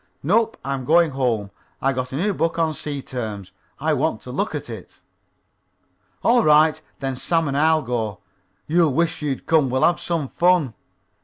"Nope. I'm going home. I got a new book on sea terms, and I want to look at it." "All right. Then Sam and I'll go. You'll wish you'd come. We'll have some fun."